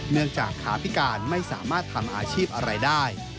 เนื่องจากขาพิการไม่สามารถทำอาชีพอะไรได้